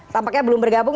tampaknya belum bergabung